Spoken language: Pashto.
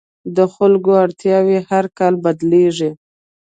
د خلکو اړتیاوې هر کال بدلېږي.